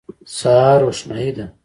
سهار روښنايي دی.